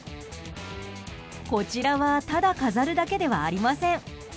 こちらはただ飾るだけではありません。